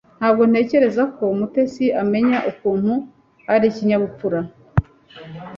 Ntabwo ntekereza ko Mutesi amenya ukuntu ari ikinyabupfura.